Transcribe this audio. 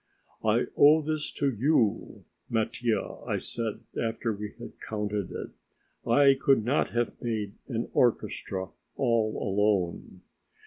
"I owe this to you, Mattia," I said, after we had counted it; "I could not have made an orchestra all alone."